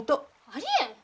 ありえん！